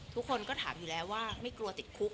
ทุกคนก็ถามอยู่แล้วว่าไม่กลัวติดคุก